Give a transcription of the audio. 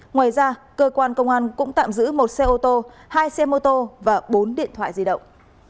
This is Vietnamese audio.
ngoài ra cơ quan công an cũng tạm giữ một xe ô tô hai xe mô tô và bốn điện thoại di động